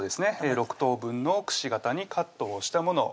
６等分のくし形にカットをしたもの